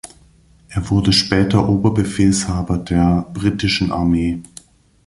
Er wurde später Oberbefehlshaber der britischen Armee.